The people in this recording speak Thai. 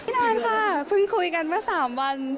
นานค่ะเพิ่งคุยกันเมื่อ๓วัน